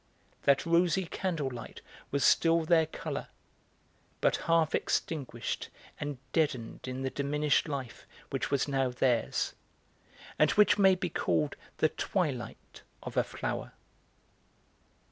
That rosy candlelight was still their colour, but half extinguished and deadened in the diminished life which was now theirs, and which may be called the twilight of a flower.